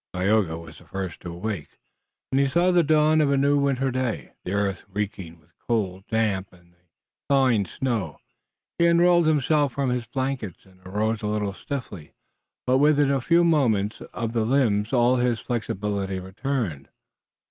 Tayoga was the first to awake, and he saw the dawn of a new winter day, the earth reeking with cold damp and the thawing snow. He unrolled himself from his blankets and arose a little stiffly, but with a few movements of the limbs all his flexibility returned.